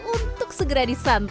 untuk segera dikonsumsi